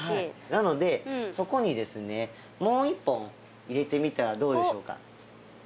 なのでそこにですねもう一本入れてみてはどうでしょうか。